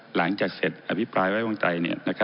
หลังจากเสร็จอภิปรายไว้วางใจ